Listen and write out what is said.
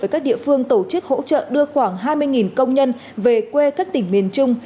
các địa phương tổ chức hỗ trợ đưa khoảng hai mươi công nhân về quê các tỉnh miền trung